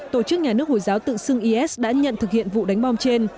tổ chức nhà nước hồi giáo tự xưng is đã nhận thực hiện vụ đánh bom trên